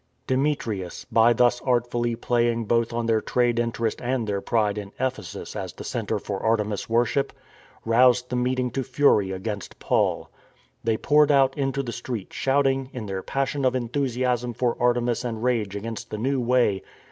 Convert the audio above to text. Demetrius by thus artfully playing both on their trade interest and their pride in Ephesus as the centre for Artemis worship, roused the meeting to fury against Paul. They poured out into the street shout ing, in their passion of enthusiasm for Artemis and rage against the new Way.